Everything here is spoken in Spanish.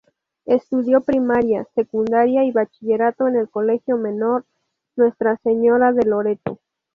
Estudió Primaria, Secundaria y Bachillerato en el Colegio menor Nuestra Señora de Loreto.